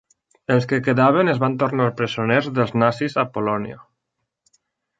Els que quedaven es van tornar presoners dels nazis a Polònia.